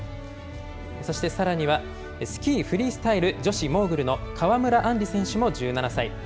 そしてさらには、スキーフリースタイル女子モーグルの川村あんり選手も１７歳。